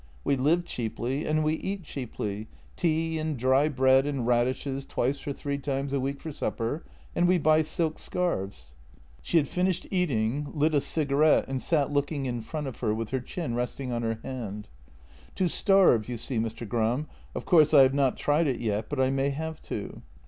We live cheaply and we eat cheaply, tea and dry bread and radishes twice or three times a week for supper — and we buy silk scarves." She had finished eating, lit a cigarette, and sat looking in front of her, with her chin resting on her hand: " To starve, you see, Mr. Gram — of course I have not tried it yet, but I may have to.